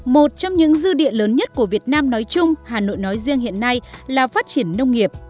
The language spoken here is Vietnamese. một trong những dư địa lớn nhất của việt nam nói chung hà nội nói riêng hiện nay là phát triển nông nghiệp